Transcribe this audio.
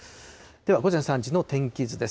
では午前３時の天気図です。